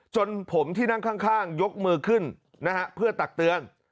จนผมที่นั่งข้างยกมือขึ้นนะฮะเพื่อตักเตือน